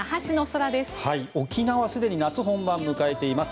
沖縄はすでに夏本番を迎えています。